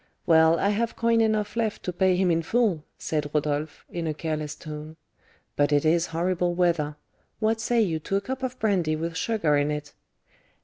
"Well, I have coin enough left to pay him in full," said Rodolph, in a careless tone; "but it is horrible weather: what say you to a cup of brandy with sugar in it?"